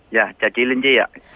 dạ chào chị linh chi ạ